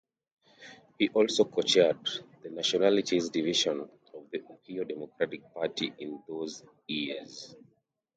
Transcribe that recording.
He also co-chaired the Nationalities Division of the Ohio Democratic Party in those years.